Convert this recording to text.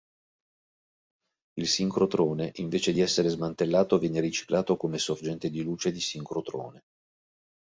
Il sincrotrone invece di essere smantellato viene riciclato come sorgente di luce di sincrotrone.